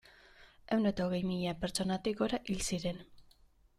Ehun eta hogei mila pertsonatik gora hil ziren.